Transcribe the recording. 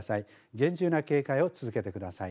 厳重な警戒を続けてください。